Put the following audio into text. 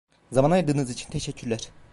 Zaman ayırdığınız için teşekkürler.